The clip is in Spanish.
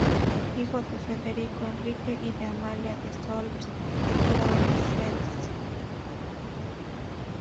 Hijo de Federico Enrique y de Amalia de Solms-Braunfels.